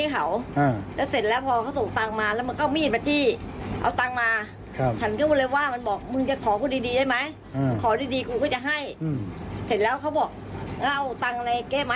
เห็นก็หยิบบุหรี่ให้เขาแล้วเสร็จแล้วพอเขาส่งตังมา